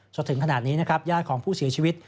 จนถึงขนาดนี้นะครับญาติของผู้เสียชีวิต